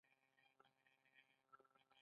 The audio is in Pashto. پنځمه برخه د اتوماتیک کنټرول سیسټمونه دي.